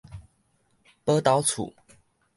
寶斗厝